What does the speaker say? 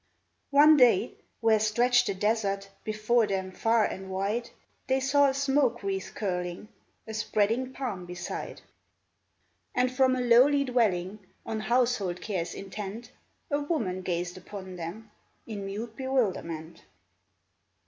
One day, where stretched the desert Before them far and wide, They saw a smoke wreath curling A spreading palm beside ; And from a lowly dwelling. On household cares intent, A woman gazed upon them. In mute bewilderment.